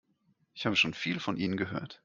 Ich habe schon viel von Ihnen gehört.